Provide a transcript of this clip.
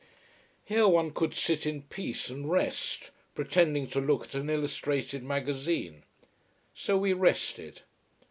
Here one could sit in peace and rest, pretending to look at an illustrated magazine. So we rested.